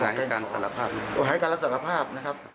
หายกันแล้วสารภาพนะครับ